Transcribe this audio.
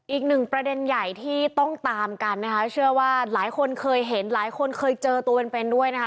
อีกหนึ่งประเด็นใหญ่ที่ต้องตามกันนะคะเชื่อว่าหลายคนเคยเห็นหลายคนเคยเจอตัวเป็นเป็นด้วยนะคะ